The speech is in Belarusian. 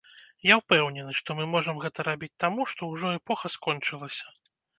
Я ўпэўнены, што мы можам гэта рабіць таму, што ўжо эпоха скончылася.